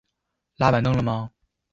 拉板凳了嗎